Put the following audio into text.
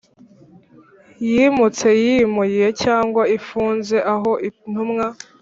Yimutse yimuye cyangwa ifunze aho Intumwa